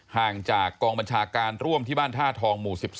ห่างจากกองบัญชาการร่วมที่บ้านท่าทองหมู่๑๒